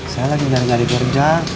saya lagi berada di kerja